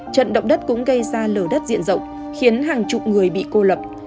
trận động đất cũng gây ra lở đất diện rộng khiến hàng chục người bị cô lập